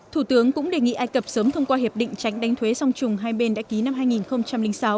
thủ tướng cũng đề nghị ai cập sớm thông qua hiệp định tránh đánh thuế song trùng hai bên đã ký năm hai nghìn sáu